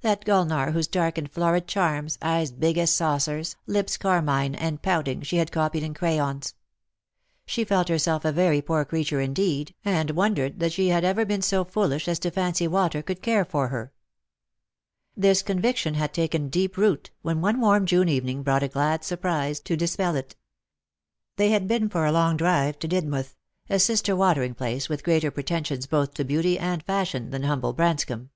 that Gulnare whose dark and florid charms, eyes big as saucers, lips carmine and pouting, she had copied in crayons. She felt herself a very poor creature indeed, and wondered that she had ever been so foolish as to fancy Walter could care for her. This conviction had taken deep root, when one warm June evening brought a glad surprise to dispel it. They had been for a long drive to Didmouth — a sister watering place, with greater pretensions both to beauty and fashion than humble Branscomb.